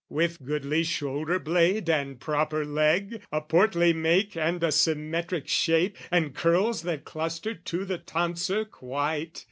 With goodly shoulderblade and proper leg, A portly make and a symmetric shape, And curls that clustered to the tonsure quite.